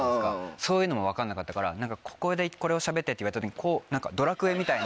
そういうのも分かんなかったから「ここでこれを喋って」って言われた時にこうドラクエみたいに。